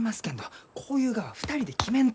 こういうがは２人で決めんと！